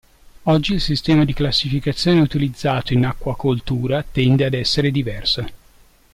Oggi il sistema di classificazione utilizzato in acquacoltura tende ad essere diverso.